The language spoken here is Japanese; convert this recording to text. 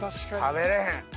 食べれへん。